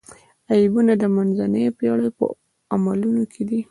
عیبونه د منځنیو پېړیو په عملونو کې دي.